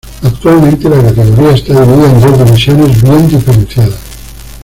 Actualmente, la categoría está dividida en dos divisiones bien diferenciadas.